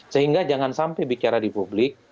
sehingga jangan sampai bicara di publik